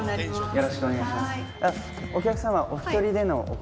よろしくお願いします。